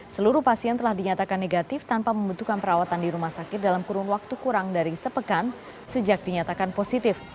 seluruh pasien telah dinyatakan negatif tanpa membutuhkan perawatan di rumah sakit dalam kurun waktu kurang dari sepekan sejak dinyatakan positif